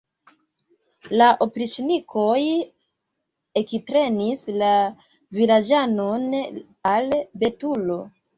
La opriĉnikoj ektrenis la vilaĝanon al betulo.